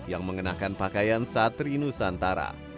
yang mengenakan pakaian satri nusantara